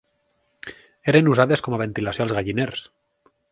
Eren usades com a ventilació als galliners.